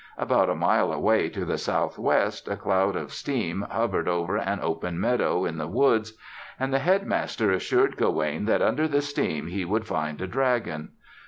About a mile away to the southwest a cloud of steam hovered over an open meadow in the woods and the Headmaster assured Gawaine that under the steam he would find a dragon.